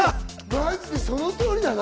マジでその通りだな。